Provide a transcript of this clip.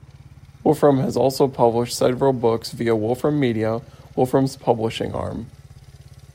Wolfram has also published several books via Wolfram Media, Wolfram's publishing arm.